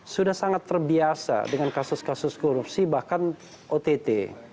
sudah sangat terbiasa dengan kasus kasus korupsi bahkan ott